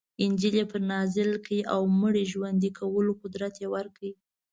انجیل یې پرې نازل کړ او مړي ژوندي کولو قدرت یې ورکړ.